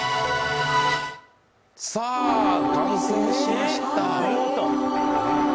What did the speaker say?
さあ、完成しました。